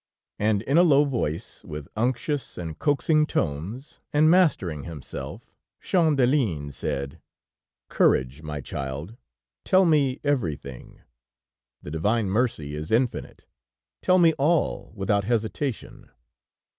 And in a low voice, with unctuous and coaxing tones, and mastering himself, Champdelin said: "Courage, my child; tell me everything; the divine mercy is infinite; tell me all, without hesitation."